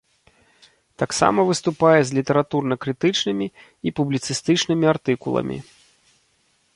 Таксама выступае з літаратурна-крытычнымі і публіцыстычнымі артыкуламі.